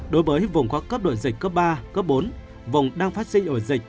đối với vùng có cấp độ dịch cấp ba cấp bốn vùng đang phát sinh ổ dịch